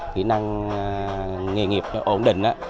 kỹ năng nghề nghiệp ổn định